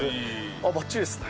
あっバッチリですね。